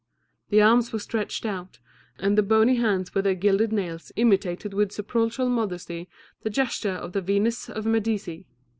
The arms were stretched out, and the bony hands with their gilded nails imitated with sepulchral modesty the gesture of the Venus of Medici.